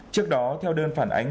trước đó theo đơn phản ánh